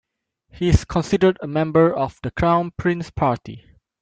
He is considered a member of the Crown Prince Party.